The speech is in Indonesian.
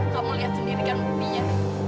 kamu lihat sendiri kan buminya